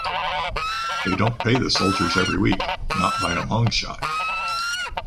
They don't pay the soldiers every week. Not by a long shot.